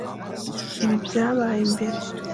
Ibi byabaye mbere.